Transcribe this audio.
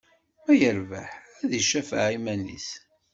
Ma yerbeḥ, ad d-icafeɛ iman-is.